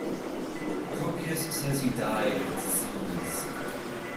Procopius says he died of disease.